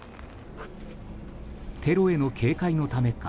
テロへの警戒のためか